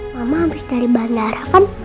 mama habis dari bandara kan